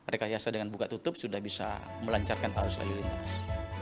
rekayasa dengan buka tutup sudah bisa melancarkan arus lalu lintas